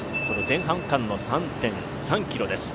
前半区間の３．３ｋｍです。